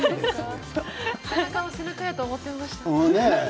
背中は背中やと思っていました。